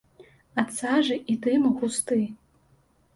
Ад сажы і дыму густы.